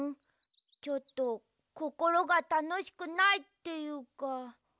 ちょっとこころがたのしくないっていうか。